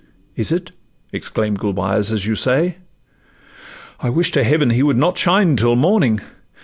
'Is it,' exclaim'd Gulbeyaz, 'as you say? I wish to heaven he would not shine till morning!